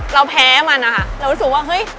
เราแพ้มันนะคะเรารู้สึกว่าเฮ้ย